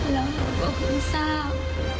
แล้วหนูก็คือทราบ